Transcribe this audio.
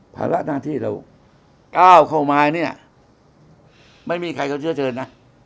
ภาระหน้าที่เราก้าวเข้ามาเนี่ยไม่มีใครเขาเชื่อเชิญนะ